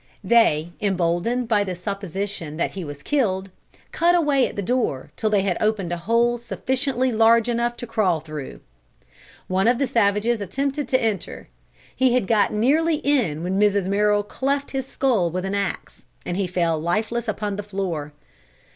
They, emboldened by the supposition that he was killed, cut away at the door till they had opened a hole sufficiently large to crawl through. One of the savages attempted to enter. He had got nearly in when Mrs. Merrill cleft his skull with an ax, and he fell lifeless upon the floor.